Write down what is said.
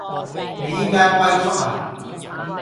你依家龜縮呀？